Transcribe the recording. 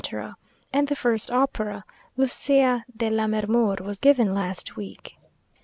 and the first opera, Lucia de Lammermoor, was given last week.